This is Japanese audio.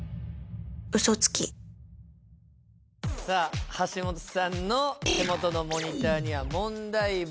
嘘つきさあ橋本さんの手元のモニターには問題文。